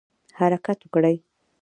حرکت وکړئ